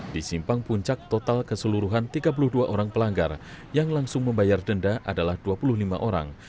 di simpang puncak total keseluruhan tiga puluh dua orang pelanggar yang langsung membayar denda adalah dua puluh lima orang